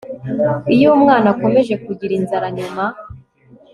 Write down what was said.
iyo umwana akomeje kugira inzara nyuma